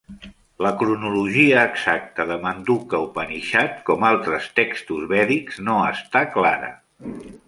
La cronologia exacta de Manduka Upanishad, com altres textos vèdics, no està clara.